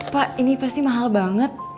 pak ini pasti mahal banget